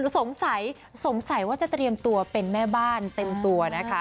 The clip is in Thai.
สงสัยสงสัยว่าจะเตรียมตัวเป็นแม่บ้านเต็มตัวนะคะ